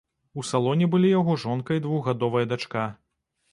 У салоне былі яго жонка і двухгадовая дачка.